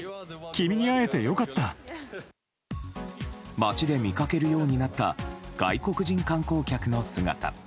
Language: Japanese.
街で見かけるようになった外国人観光客の姿。